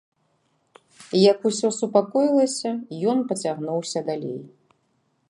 Як усё супакоілася, ён пацягнуўся далей.